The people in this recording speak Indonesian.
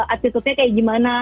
attitudenya kayak gimana